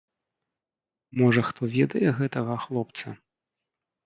Можа хто ведае гэтага хлопца?